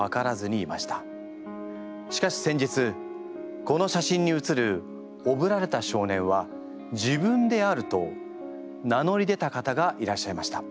しかし先日この写真にうつる「おぶられた少年は自分である」と名乗り出た方がいらっしゃいました。